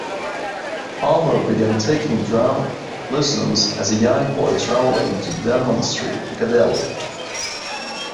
Palmer began taking drum lessons as a young boy, travelling to Denman Street, Piccadilly.